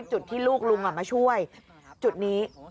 จุดที่ลูกลุงมาช่วยจุดนี้